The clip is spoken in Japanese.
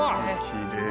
きれい。